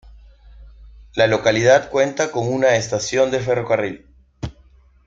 La localidad cuenta con una estación de ferrocarril.